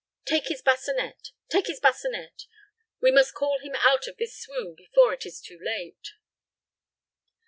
Take his bassinet take his bassinet. We must call him out of this swoon before it is too late."